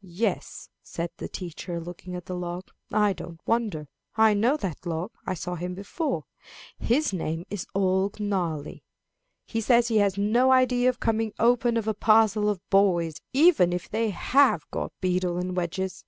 "Yes," said the teacher, looking at the log, "I don't wonder. I know that log. I saw him before. His name is Old Gnarly. He says he has no idea of coming open for a parcel of boys, even if they have got beetle and wedges.